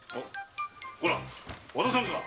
こら渡さんか。